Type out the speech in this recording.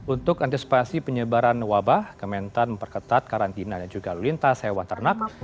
untuk antisipasi penyebaran wabah kementan memperketat karantina dan juga lalu lintas hewan ternak